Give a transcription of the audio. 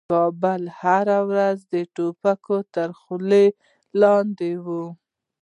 کابل هره ورځ د توپکو تر خولې لاندې و.